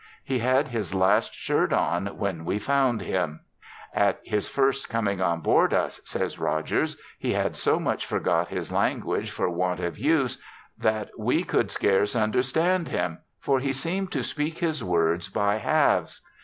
He had his last shirt on when we found him. 1709 58 1709 Life aboard a '* At his first coining on board us," says Rogers, ^ he had so much forgot his language for want of use, that we could scarce understand him, for he seemed to speak his words by halves.